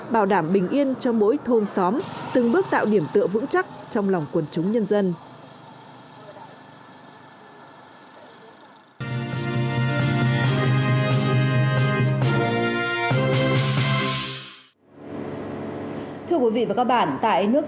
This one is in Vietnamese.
bảo đảm bình yên cho mỗi thôn xóm từng bước tạo điểm tựa vững chắc trong lòng quần chúng nhân dân